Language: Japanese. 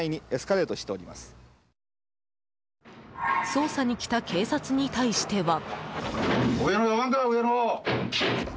捜査に来た警察に対しては。